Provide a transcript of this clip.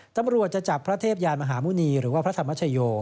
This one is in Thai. ตำรวจจะจับพระเทพยานมหาหมุณีหรือว่าพระธรรมชโย